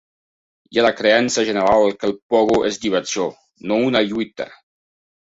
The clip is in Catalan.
Hi ha la creença general que el pogo és diversió, no una lluita.